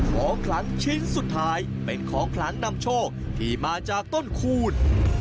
ของขลังชิ้นสุดท้ายเป็นของขลังนำโชคที่มาจากต้นคูณ